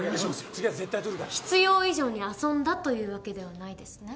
次は絶対取るから必要以上に遊んだというわけではないですね？